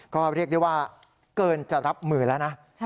ก็เรียกได้ว่าเกินจะรับมือแล้วนะ